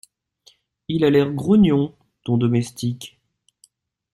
Il a l’air grognon, ton domestique.